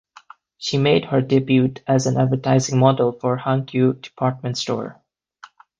She made her debut as an advertising model for Hankyu Department Store.